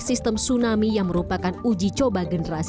sistem tsunami yang merupakan uji coba generasi tiga satu